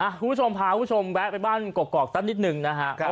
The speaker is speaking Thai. คุณผู้ชมพาคุณผู้ชมนะครับไปบ้านกรอกนิดหนึ่งนะครับ